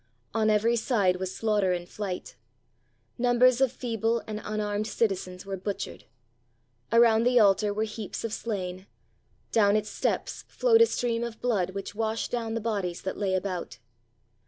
On every side was slaughter and flight. Numbers of feeble and un armed citizens were butchered. Around the altar were heaps of slain; down its steps flowed a stream of blood which washed down the bodies that lay about.